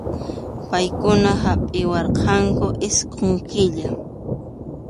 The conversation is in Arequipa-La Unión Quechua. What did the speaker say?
Paykuna hapʼiwarqanku isqun killa.